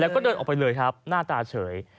แล้วก็เดินออกไปเลยครับหน้าตาเฉย